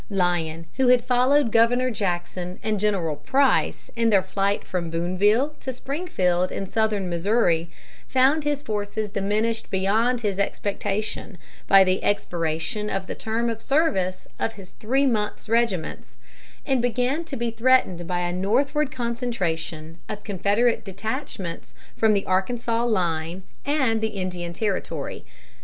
Lyon, who had followed Governor Jackson and General Price in their flight from Boonville to Springfield in southern Missouri, found his forces diminished beyond his expectation by the expiration of the term of service of his three months' regiments, and began to be threatened by a northward concentration of Confederate detachments from the Arkansas line and the Indian Territory.